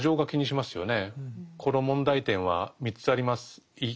この問題点は３つあります。